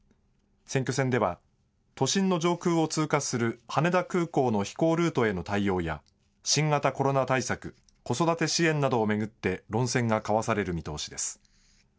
選挙戦では都心の上空を通過する羽田空港の飛行ルートへの対応や新型コロナ対策、子育て支援などを巡って論戦が交わされる見通しです。